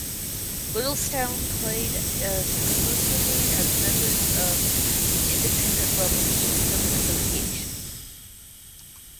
Littlestown played as exclusively as members of the Independent level Keystone Association.